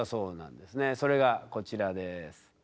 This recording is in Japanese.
それがこちらです。